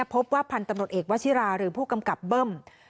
พบว่าพันธุ์ตำรวจเอกวชิราหรือผู้กำกับเบิ้ม